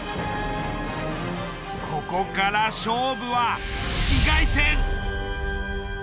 ここから勝負は市街戦。